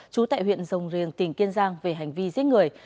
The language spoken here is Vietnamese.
trú tại huyện rồng riềng tỉnh kiên giang về hành vi giết người